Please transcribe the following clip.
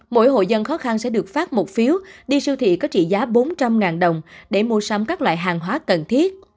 mỗi hội dân khó khăn sẽ được phát một phiếu đi siêu thị có trị giá bốn trăm linh đồng để mua sắm các loại hàng hóa cần thiết